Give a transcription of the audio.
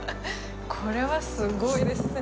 これはすごいですね。